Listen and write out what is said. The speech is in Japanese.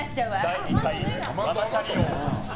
第２回ママチャリ王。